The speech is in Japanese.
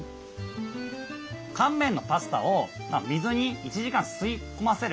乾麺のパスタを水に１時間吸い込ませる。